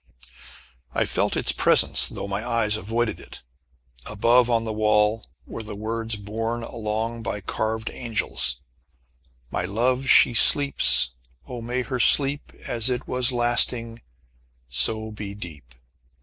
I felt its presence, though my eyes avoided it. Above, on the wall, were the words borne along by carved angels: "My love she sleeps: Oh, may her sleep As it was lasting, so be deep."